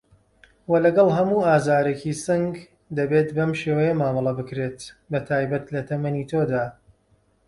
وه لەگەڵ هەموو ئازارێکی سنگ دەبێت بەم شێوەیە مامەڵه بکرێت بەتایبەت لە تەمەنی تۆدا